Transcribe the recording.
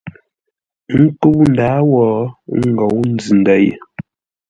Ə́ nkə́u ndǎa wó, ə́ ngǒu nzʉ-ndə̂ ye.